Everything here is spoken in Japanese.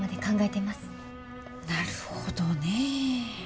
なるほどね。